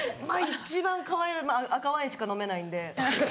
一番かわいい赤ワインしか飲めないんで。